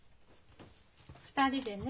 ２人でね